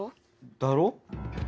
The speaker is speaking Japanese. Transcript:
だろ？